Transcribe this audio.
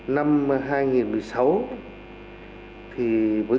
năm hai nghìn một mươi sáu thì với cái lượng phát điện